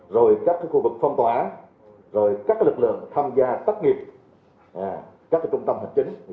rồi các khu vực phong tỏa rồi các lực lượng tham gia tắt nghiệp các trung tâm hành chính